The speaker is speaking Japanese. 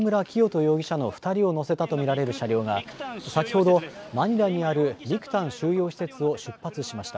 容疑者の２人を乗せたと見られる車両が、先ほどマニラにあるビクタン収容施設を出発しました。